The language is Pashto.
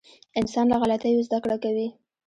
• انسان له غلطیو زده کړه کوي.